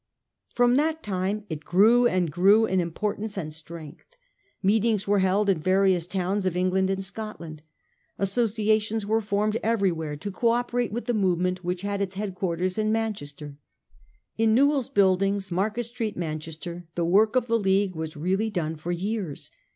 From that time it grew and grew in importance and strength. Meetings were held in various towns of England and Scotland. Associations were formed everywhere to co operate with the movement which had its head quarters in Manchester. In Newall's Buildings, Market Street, Manchester, the work of the League was really done for years.